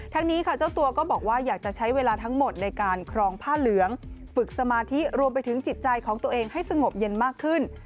นี้ค่ะเจ้าตัวก็บอกว่าอยากจะใช้เวลาทั้งหมดในการครองผ้าเหลืองฝึกสมาธิรวมไปถึงจิตใจของตัวเองให้สงบเย็นมากขึ้น